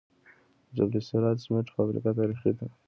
د جبل السراج سمنټو فابریکه تاریخي ده